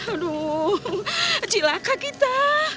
aduh cilaka kita